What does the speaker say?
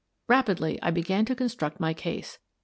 Rapidly, I began to construct my case.